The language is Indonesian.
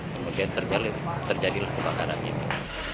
kemudian terjadi lukuh bakaran ini